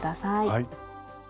はい。